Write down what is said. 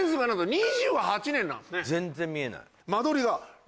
全然見えない。